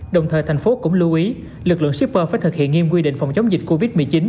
đồng thời thành phố cũng lưu ý lực lượng shipper phải thực hiện nghiêm quy định phòng chống dịch covid một mươi chín